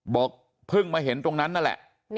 บอกเพิ่งมาเห็นตรงนั้นนั่นแหละ